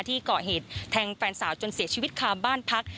เกาะเหตุแทงแฟนสาวจนเสียชีวิตคามบ้านพัก